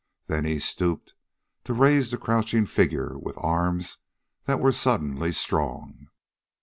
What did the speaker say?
Then he stooped to raise the crouching figure with arms that were suddenly strong.